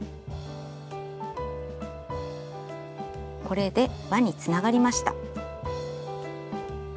これで輪につながりました。